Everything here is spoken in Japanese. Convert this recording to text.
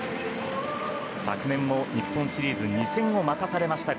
昨年も日本シリーズ２戦を任されました